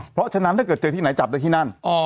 เพราะฉะนั้นถ้าเกิดเจอที่ไหนจับได้ที่นั่น